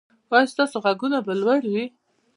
ایا ستاسو غرونه به لوړ وي؟